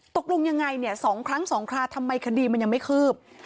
ตกลงยังไงเนี่ย๒ครั้ง๒คราทำไมคดีมันยังไม่คืบ